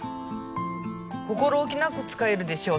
心置きなく使えるでしょう。